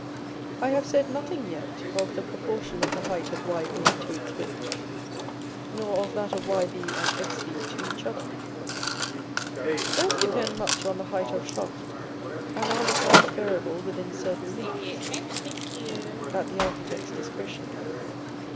I have said nothing yet of the proportion of the height of Yb to its width, nor of that of Yb and Xb to each other. Both depend much on the height of shaft, and are besides variable within certain limits, at the architect's discretion.